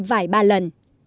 vài ba lần